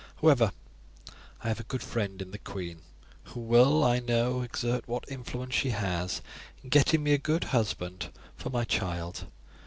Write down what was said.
However, I have a good friend in the queen, who will, I know, exert what influence she has in getting me a good husband for my child.